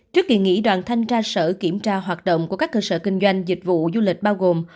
trước kỳ nghỉ đoàn thanh tra sở kiểm tra hoạt động của các cơ sở kinh doanh dịch vụ du lịch bao gồm